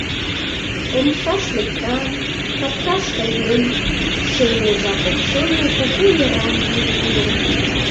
— Омсаш лектам, капкаш каем — шем межа покшелне кугу еран вӱд уло.